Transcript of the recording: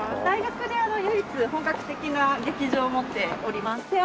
大学で唯一本格的な劇場を持っております。